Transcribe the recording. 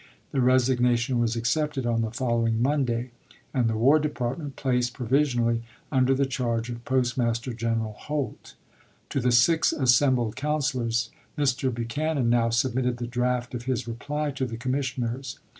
The resignation was accepted on the following "ReDeifion Monday, and the War Department placed pro volTd'oc visionally under the charge of Postmaster General p. To.8' Holt. To the six assembled councilors, Mr. Buch anan now submitted the draft of his reply to the commissioners.